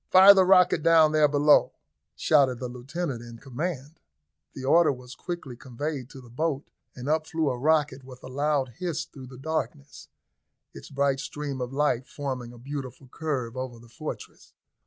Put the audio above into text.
Fire the rocket down there below!" shouted the lieutenant in command. The order was quickly conveyed to the boat, and up flew a rocket with a loud hiss through the darkness, its bright stream of light forming a beautiful curve over the fortress.